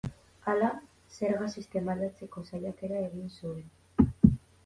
Hala, zerga sistema aldatzeko saiakera egin zuen.